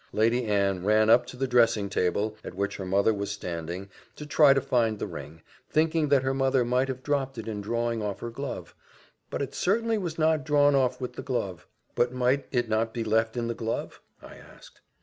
Lady Anne ran up to the dressing table, at which her mother was standing, to try to find the ring, thinking that her mother might have dropped it in drawing off her glove; "but it certainly was not drawn off with the glove." "But might not it be left in the glove?" I asked.